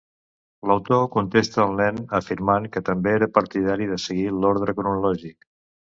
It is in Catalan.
L'autor contestà al nen afirmant que també era partidari de seguir l'ordre cronològic.